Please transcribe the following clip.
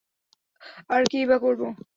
আর কীইবা করব?